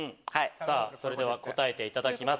それでは答えていただきます。